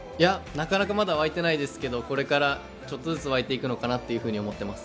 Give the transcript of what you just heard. なかなかまだ湧いてないですけどこれからちょっとずつ湧いていくのかなと思っています。